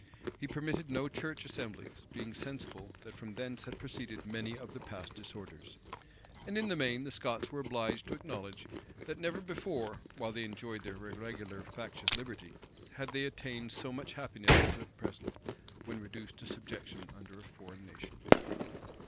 He permitted no church assemblies; being sensible that from thence had proceeded many of the past disorders. And in the main, the Scots were obliged to acknowledge, that never before, while they enjoyed their irregular, factious liberty, had they attained so much happiness as at present, when reduced to subjection under a foreign nation.